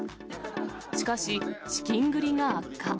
しかし、資金繰りが悪化。